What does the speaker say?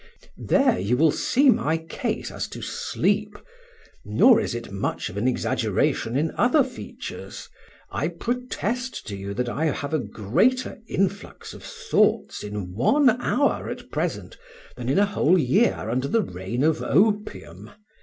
There you will see my case as to sleep; nor is it much of an exaggeration in other features. I protest to you that I have a greater influx of thoughts in one hour at present than in a whole year under the reign of opium.